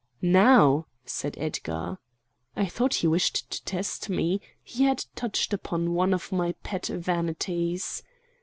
"Now!" said Edgar. I thought he wished to test me; he had touched upon one of my pet vanities.